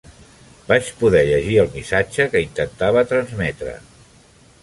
Vaig poder llegir el missatge que intentava transmetre.